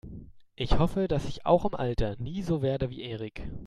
Ich hoffe, dass ich auch im Alter nie so werde wie Erik.